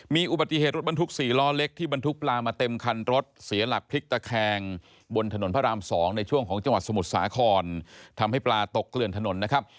มีอุบัติเหตุรถบรรทุก๔ล้อเล็กที่บรรทุกปลามาเต็มคันรถเสียหลักพลิกตะแคงบนถนนพระราม๒ในช่วงของจังหวัดสมุทรสาครทำให้ปลาตกเกลื่อนถนนนะครับ